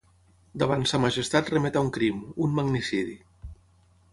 Davant sa majestat remet a un crim, un magnicidi.